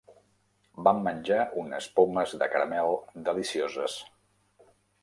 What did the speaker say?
Vam menjar unes pomes de caramel delicioses.